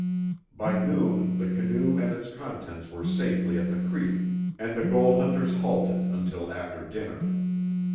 By noon the canoe and its contents were safely at the creek, and the gold hunters halted until after dinner.